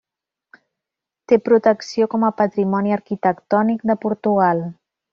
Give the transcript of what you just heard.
Té protecció com a Patrimoni Arquitectònic de Portugal.